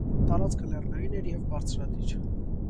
Տարածքը լեռնային էր և բարձրադիր։